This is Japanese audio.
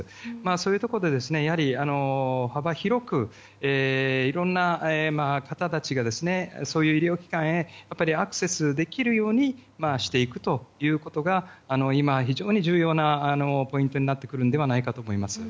そういうところで幅広くいろいろな方たちが医療機関へアクセスできるようにしていくことが今、非常に重要なポイントになってくるのではないかと思います。